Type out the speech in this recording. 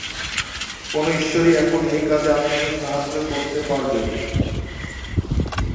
কোনো ঈশ্বরই এখন এই কাজে আপনাকে সাহায্য করতে পারবে না।